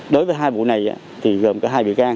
đối với hai vụ này thì gồm cả hai bị can